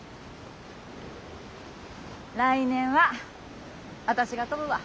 来年は私が飛ぶわ！